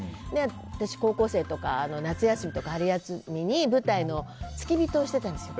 私、高校生とかの夏休みとか春休みに舞台の付き人をしてたんですよ。